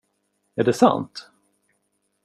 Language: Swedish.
Är det sant?